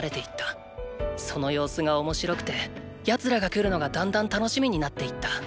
その様子が面白くて奴らが来るのがだんだん楽しみになっていった。